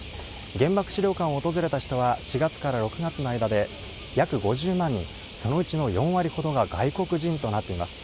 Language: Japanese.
原爆資料館を訪れた人は、４月から６月の間で約５０万人、そのうちの４割ほどが外国人となっています。